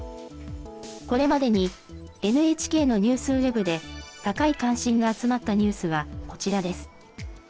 これまでにＮＨＫのニュースウェブで高い関心が集まったニュースはこちらです。